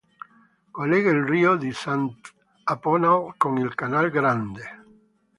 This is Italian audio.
Collega il Rio di Sant'Aponal con il Canal Grande.